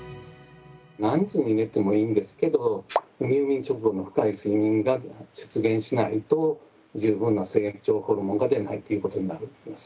何時に寝てもいいんですけど入眠直後の深い睡眠が出現しないと十分な成長ホルモンが出ないということになると思います。